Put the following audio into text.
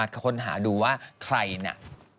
คนหาดูว่าใครเนี่ย